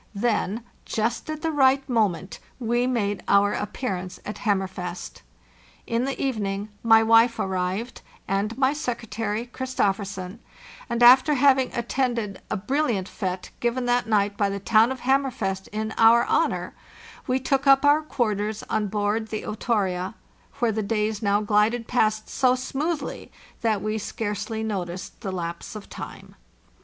Then, just at the right moment, we made our appearance at Hammerfest. In the evening, my wife arrived, and my secretary, Christofersen; and after hav ing attended a brillant fete given that night by the town of Hammerfest in our honor, we took up our quar ters on board the O/arza, where the days now glided past so smoothly that we scarcely noticed the lapse of time.